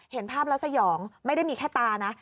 เห็นภาพแล้วสยองไม่ได้มีแค่ตานะ